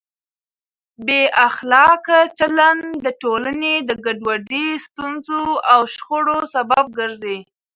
بې اخلاقه چلند د ټولنې د ګډوډۍ، ستونزو او شخړو سبب ګرځي.